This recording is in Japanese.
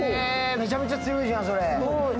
めちゃめちゃ強いじゃん、それ。